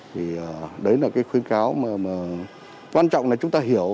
thì đấy là cái khuyến cáo mà quan trọng là chúng ta hiểu